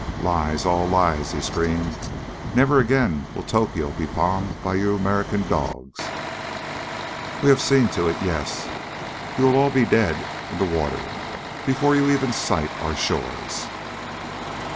"Lies, all lies!" he screamed. "Never again will Tokyo be bombed by you American dogs. We have seen to it, yes! You will all be dead and in the water before you even sight our shores!"